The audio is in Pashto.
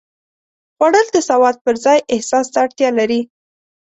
خوړل د سواد پر ځای احساس ته اړتیا لري